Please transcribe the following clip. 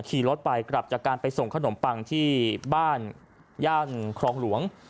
ขี่รถไปกลับจากการไปส่งขนมปังที่บ้านย่านครองหลวง